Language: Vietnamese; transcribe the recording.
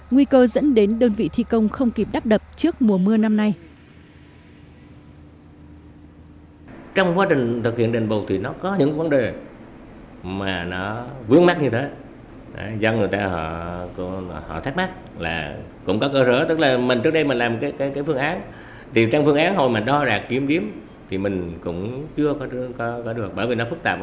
nguy cơ dẫn đến đơn vị thi công không kịp đắp đập trước mùa mưa năm nay